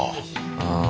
うん。